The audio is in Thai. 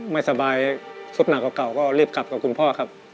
ไม่สบายสุดหนักเก่าก็รีบกลับกับคุณพ่อครับ